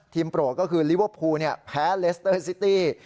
โปรดก็คือลิเวอร์พูลแพ้เลสเตอร์ซิตี้